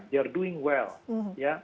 mereka melakukan dengan baik